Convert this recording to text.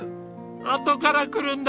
あとからくるんだ！